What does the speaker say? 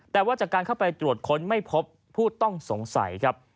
แต่ว่าจากการเข้าไปตรวจค้นไม่พบผู้ต้องสงสัยครับ